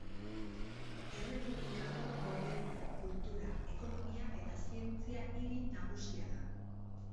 Errepublikako gobernu, kultura, ekonomia eta zientzia hiri nagusia da.